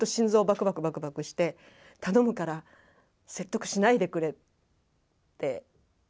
バクバクバクバクして頼むから説得しないでくれって。